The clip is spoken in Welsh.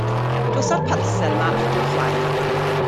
Dos â'r parsal 'ma at dy chwaer.